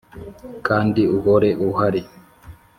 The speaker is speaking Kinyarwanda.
kandi uhore uhari